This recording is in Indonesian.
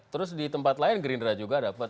terus di tempat lain gerindra juga dapat